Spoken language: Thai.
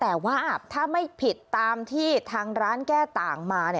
แต่ว่าถ้าไม่ผิดตามที่ทางร้านแก้ต่างมา